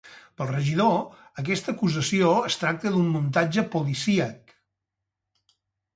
Pel regidor, aquesta acusació es tracta d’un muntatge policíac.